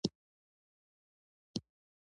زه د خپل ژوند ښه کولو ته ژمن یم.